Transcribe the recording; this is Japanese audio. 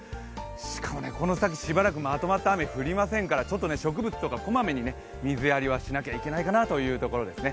しかもこの先、しばらくまとまった雨、降りませんからちょっと植物とかこまめに水やりとかしないといけないかなという感じですね。